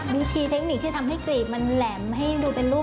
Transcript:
มีทีเทคนิคที่ทำให้กลีบมันแหลมให้ดูเป็นรูป